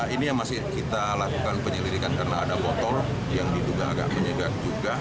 ini yang masih kita lakukan penyelidikan karena ada botol yang diduga agak menyegar juga